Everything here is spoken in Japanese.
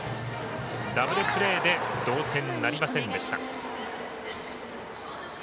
ダブルプレーで同点なりませんでした。